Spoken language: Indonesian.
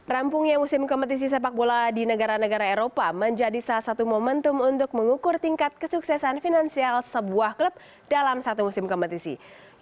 rampungnya musim kompetisi sepak bola di negara negara eropa menjadi salah satu momentum untuk mengukur tingkat kesuksesan finansial sebuah klub dalam satu musim kompetisi